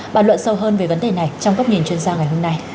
bàn luận sâu hơn về vấn đề này trong góc nhìn chuyên gia ngày hôm nay